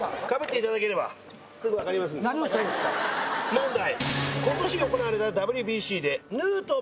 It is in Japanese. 問題。